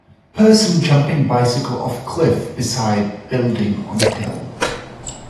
Person jumping bicycle off cliff beside building on hill